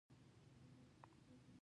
علي له سارې سره واده وکړ.